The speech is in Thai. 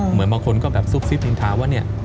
เหมือนบางคนก็แบบซุกซิบนินทาว่าเนี่ย